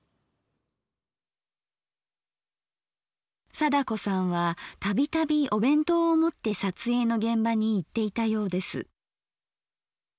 貞子さんは度々お弁当を持って撮影の現場に行っていたようです。